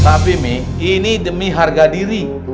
tapi mi ini demi harga diri